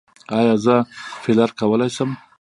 ایا زه فیلر کولی شم؟